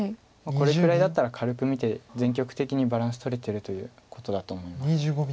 これくらいだったら軽く見て全局的にバランスとれてるということだと思います。